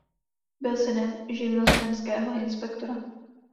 Byl synem živnostenského inspektora.